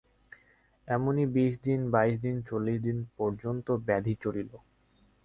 এমনি বিশ দিন, বাইশ দিন, চল্লিশ দিন পর্যন্ত ব্যাধি চলিল।